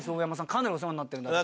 かなりお世話になってるんで私。